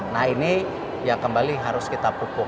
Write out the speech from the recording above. nah ini yang kembali harus kita pupuk